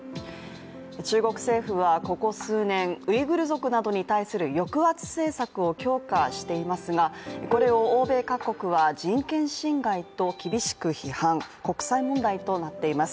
中国政府はここ数年ウイグル族などに対する抑圧政策を強化していますがこれを欧米各国は人権侵害と厳しく批判、国際問題となっています。